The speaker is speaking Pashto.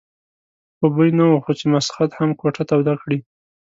په بوی نه وو خو چې مسخد هم کوټه توده کړي.